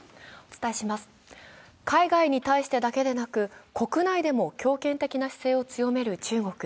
海外に対してだけでなく国内にも強権的な姿勢を強める中国。